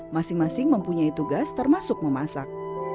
masing masing mempunyai tugas termasuk memasak